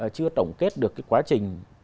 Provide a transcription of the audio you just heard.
chưa tổng kết được cái quá trình